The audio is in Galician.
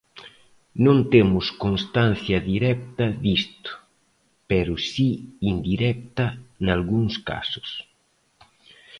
Non temos constancia directa disto, pero si indirecta nalgúns casos.